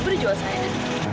beri jual saya